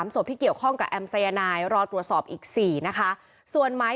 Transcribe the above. ศพที่เกี่ยวข้องกับแอมสายนายรอตรวจสอบอีก๔นะคะส่วนหมาย